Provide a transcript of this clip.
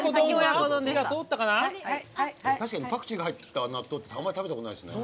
確かにパクチーが入った納豆って食べたことないですね。